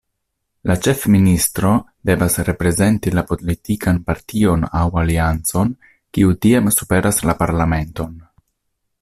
La ĉefministro devas reprezenti la politikan partion aŭ aliancon, kiu tiam superas la Parlamenton.